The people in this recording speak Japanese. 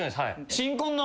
新婚の。